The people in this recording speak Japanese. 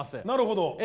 なるほど。